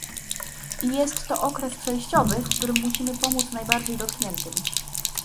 I jest to okres przejściowy, w którym musimy pomóc najbardziej dotkniętym